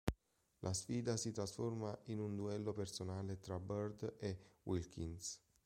La sfida si trasforma in un duello personale tra Bird e Wilkins.